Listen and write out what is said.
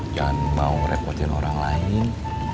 jangan mau repotin orang lain